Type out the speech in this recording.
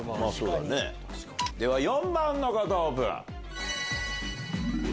では４番の方オープン。